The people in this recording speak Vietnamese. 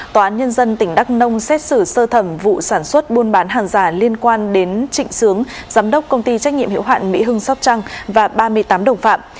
tòa án nhân dân tỉnh đắk nông xét xử sơ thẩm vụ sản xuất buôn bán hàng giả liên quan đến trịnh sướng giám đốc công ty trách nhiệm hiệu hạn mỹ hưng sóc trăng và ba mươi tám đồng phạm